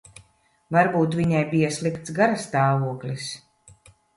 Varbūt viņai bija slikts garastāvoklis.